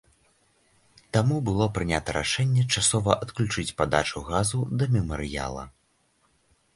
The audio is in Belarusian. Таму было прынята рашэнне часова адключыць падачу газу да мемарыяла.